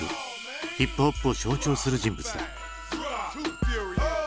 ヒップホップを象徴する人物だ。